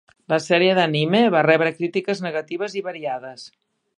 La sèrie d'anime va rebre crítiques negatives i variades.